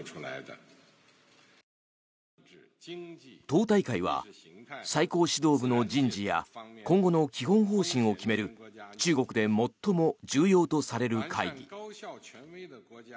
党大会は最高指導部の人事や今後の基本方針を決める中国で最も重要とされる会議。